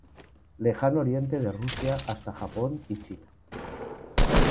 Lejano oriente de Rusia hasta Japón y China.